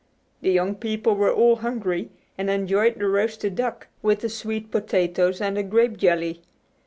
The young people were all hungry, and enjoyed the roasted duck, with the sweet potatoes and the grape jelly.